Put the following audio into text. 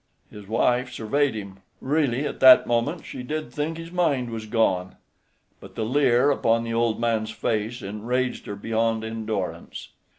His wife surveyed him. Really at that moment she did think his mind was gone; but the leer upon the old man's face enraged her beyond endurance.